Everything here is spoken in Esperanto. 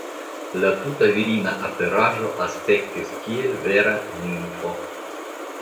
La tuta virina aperaĵo aspektis kiel vera nimfo.